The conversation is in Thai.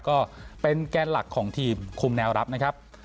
ก็เป็นแกนหลักของทีมคุมแนวรับนะครับ